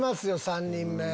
３人目。